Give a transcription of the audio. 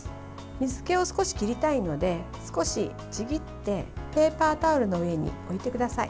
水けを少し切りたいので少しちぎってペーパータオルの上に置いてください。